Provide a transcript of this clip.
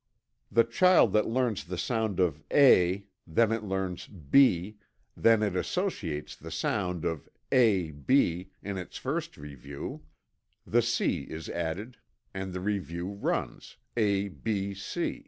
The child learns the sound of "A;" then it learns "B;" then it associates the sounds of "A, B" in its first review; the "C" is added and the review runs: "A, B, C."